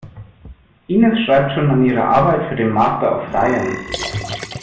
Ines schreibt schon an ihrer Arbeit für den Master of Science.